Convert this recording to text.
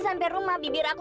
sekarang itu tadi polls lagi